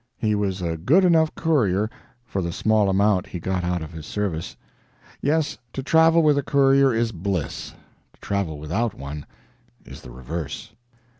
He was a good enough courier for the small amount he got out of his service. Yes, to travel with a courier is bliss, to travel without one is the reverse.